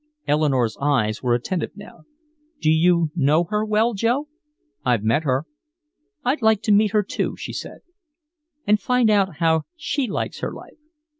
Eleanore's eyes were attentive now: "Do you know her well, Joe?" "I've met her " "I'd like to meet her, too," she said. "And find out how she likes her life."